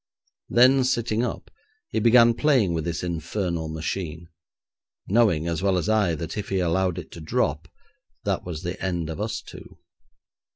Then sitting up, he began playing with this infernal machine, knowing, as well as I, that if he allowed it to drop that was the end of us two.